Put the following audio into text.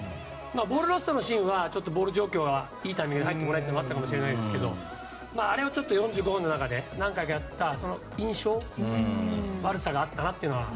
ボールロストのシーンはボール状況がいいタイミングで入ってこないというのがあったかもしれないですけどあれを４５分の中で何回かやった印象の悪さがあったなというのは。